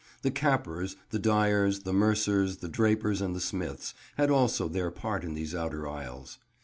The Cappers, the Dyers, the Mercers, the Drapers and the Smiths had also their part in these outer aisles.